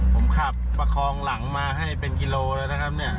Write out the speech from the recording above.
ผมขับประคองหลังมาให้กิโลแล้วนี้